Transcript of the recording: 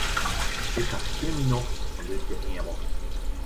Ik ha skjin myn nocht fan dit geëamel.